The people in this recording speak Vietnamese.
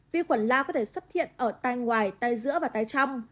vi khuẩn lao có thể xuất hiện ở tai ngoài tai giữa và tai trong